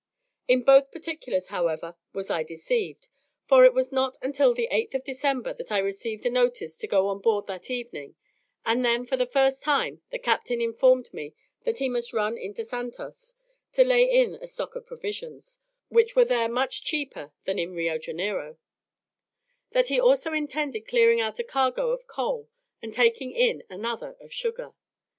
In both particulars, however, was I deceived; for it was not until the 8th of December that I received a notice to go on board that evening and then for the first time the captain informed me that he must run into Santos, to lay in a stock of provisions, which were there much cheaper than in Rio Janeiro; that he also intended clearing out a cargo of coal and taking in another of sugar.